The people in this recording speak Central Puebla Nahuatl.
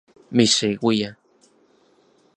Mixeuia